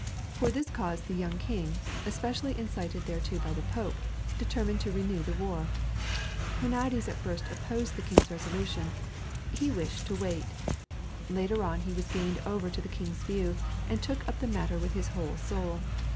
For this cause the young king, especially incited thereto by the Pope, determined to renew the war. Huniades at first opposed the king's resolution, and wished to wait; later on he was gained over to the king's view, and took up the matter with his whole soul.